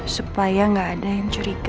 supaya nggak ada yang curiga